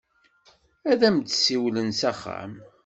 Ad am-d-siwlen s axxam.